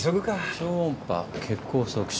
超音波血行促進